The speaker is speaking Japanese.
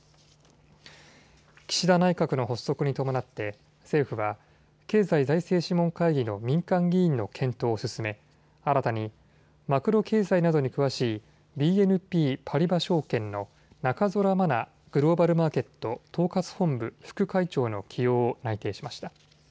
岸田内閣の発足に伴って政府は経済財政諮問会議の民間議員の検討を進め新たにマクロ経済などに詳しいＢＮＰパリバ証券の中空麻奈グローバルマーケット統括本部副会長の起用を内定しました。